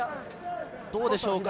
どうでしょうか？